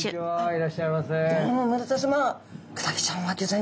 はい。